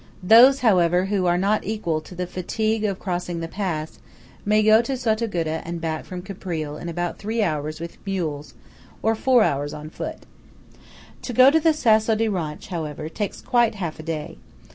Those, however, who are not equal to the fatigue of crossing the pass, may go to Sottoguda and back from Caprile in about three hours with mules, or four hours on foot. To go to the Sasso di Ronch, however, takes quite half a day.